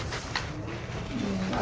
có hết rồi